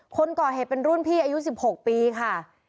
คนก่อเหตุเป็นรุ่นพี่อายุ๑๖ปีค่ะ